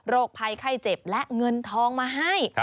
โรคไพรไข้เจ็บและเงินทองมาให้